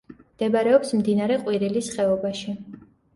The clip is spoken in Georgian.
მდებარეობს მდინარე ყვირილის ხეობაში.